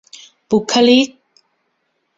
บุคลิก